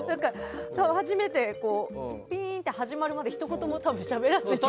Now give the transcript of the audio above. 初めてピーンって始まるまでひと言もしゃべらずに。